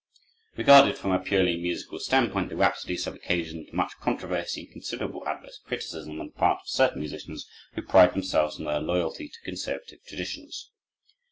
Regarded from a purely musical standpoint, the Rhapsodies have occasioned much controversy and considerable adverse criticism on the part of certain musicians who pride themselves on their loyalty to conservative traditions.